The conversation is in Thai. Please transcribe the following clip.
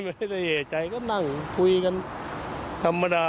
ไม่ได้เอกใจก็นั่งคุยกันธรรมดา